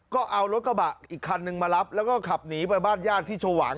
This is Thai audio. ก็เอารถกระบะอีกคันนึงมารับแล้วก็ขับหนีไปบ้านญาติที่ชวาง